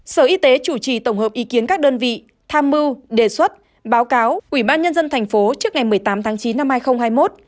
sở y tế chủ trì tổng hợp ý kiến các đơn vị tham mưu đề xuất báo cáo ubnd thành phố trước ngày một mươi tám tháng chín năm hai nghìn hai mươi một